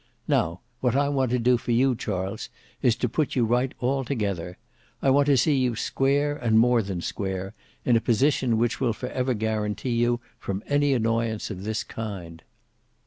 Now, what I want to do for you, Charles, is to put you right altogether. I want to see you square and more than square, in a position which will for ever guarantee you from any annoyance of this kind."